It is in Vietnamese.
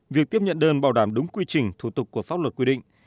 việc tiếp nhận đơn bảo đảm đúng quy trình thủ tục của pháp luật quy định